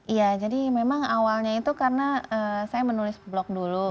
iya jadi memang awalnya itu karena saya menulis blog dulu